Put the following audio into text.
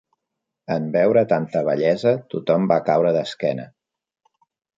En veure tanta bellesa tothom va caure d'esquena.